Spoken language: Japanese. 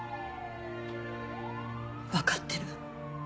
わかってる。